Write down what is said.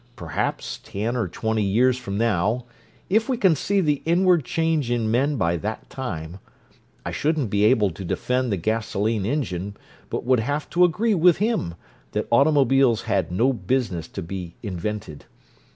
Perhaps, ten or twenty years from now, if we can see the inward change in men by that time, I shouldn't be able to defend the gasoline engine, but would have to agree with him that automobiles 'had no business to be invented.